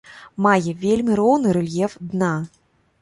Мае вельмі роўны рэльеф дна.